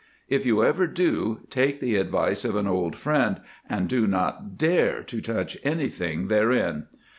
If you ever do, take the advice of an old friend and do not dare to touch anything therein.